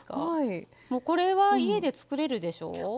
これは家で作れるでしょう？